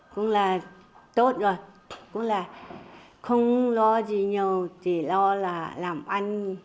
cũng là tốt rồi cũng là không lo gì nhiều chỉ lo là làm ăn